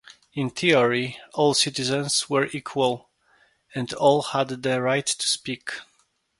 In theory, all citizens were equal and all had the right to speak.